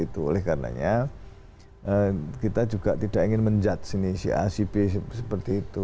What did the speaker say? itu oleh karenanya kita juga tidak ingin menjat sini si acp seperti itu